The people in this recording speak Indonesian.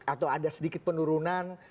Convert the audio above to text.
atau ada sedikit penurunan